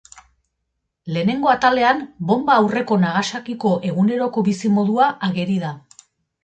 Lehenengo atalean Bonba aurreko Nagasakiko eguneroko bizimodua ageri da.